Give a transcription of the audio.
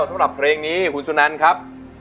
สำหรับเพลงนี้คุณสุนันครับ